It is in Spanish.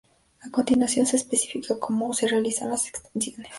A continuación se especifica cómo se realizan las extensiones.